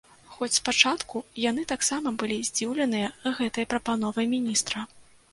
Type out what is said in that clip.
Хоць спачатку яны таксама былі здзіўленыя гэтай прапановай міністра.